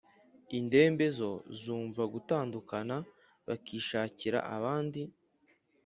Indembe zo zumva gutandukana bakishakira abandi